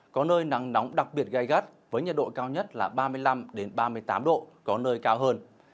có nơi nắng nóng đặc biệt gai gắt với nhiệt độ cao nhất là ba mươi năm ba mươi tám độ có nơi cao hơn